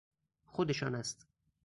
خودشان است.